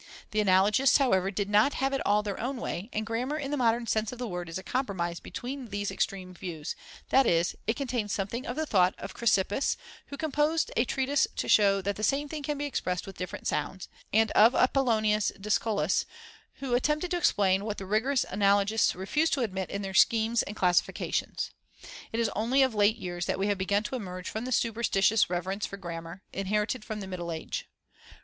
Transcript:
The analogists, however, did not have it all their own way, and grammar in the modern sense of the word is a compromise between these extreme views, that is, it contains something of the thought of Chrysippus, who composed a treatise to show that the same thing can be expressed with different sounds, and of Apollonius Discolus, who attempted to explain what the rigorous analogists refused to admit into their schemes and classifications. It is only of late years that we have begun to emerge from the superstitious reverence for grammar, inherited from the Middle Age.